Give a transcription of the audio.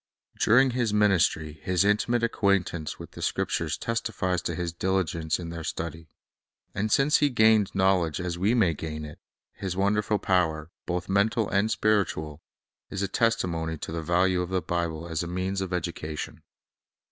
During His ministry His intimate acquaintance with the Scriptures testifies to His diligence in their study. And since He gained knowledge as we may gain it, His wonderful power, both mental and spiritual, is a testimony to the value of the Bible as a means of education.